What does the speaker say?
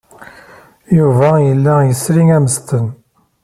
Yuba yella yesri ammesten.